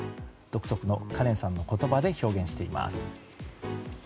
独特のカレンさんの言葉で表現しています。